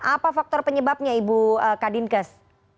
apa faktor penyebabnya ibu kadinkes